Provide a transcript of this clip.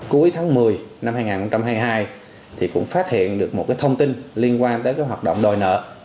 cuối tháng một mươi năm hai nghìn hai mươi hai thì cũng phát hiện được một cái thông tin liên quan đến cái hoạt động đòi nợ